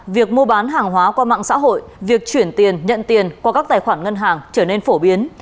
việc mua bán hàng hóa qua mạng xã hội việc chuyển tiền nhận tiền qua các tài khoản ngân hàng trở nên phổ biến